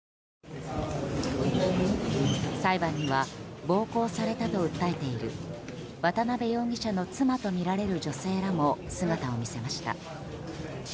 裁判には暴行されたと訴えている渡邉容疑者の妻とみられる女性らも姿を見せました。